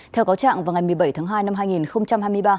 theo cáo trạng vào ngày một mươi bảy tháng hai năm hai nghìn hai mươi ba